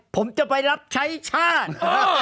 ผมจะไปรับใช้ชาติ